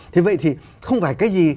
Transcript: thì vậy thì không phải cái gì